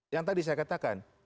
yang tadi saya katakan